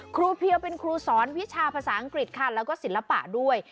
เพียวเป็นครูสอนวิชาภาษาอังกฤษค่ะแล้วก็ศิลปะด้วย